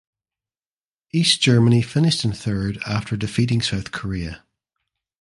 East Germany finished in third after defeating South Korea.